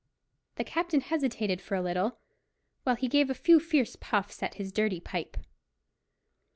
The captain hesitated for a little, while he gave a few fierce puffs at his dirty pipe.